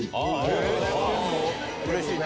うれしいね。